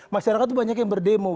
masyarakat itu banyak yang berdemo